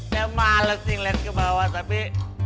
saya males sih liat ke bawah tapi